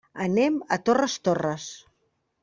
Anem a Torres Torres.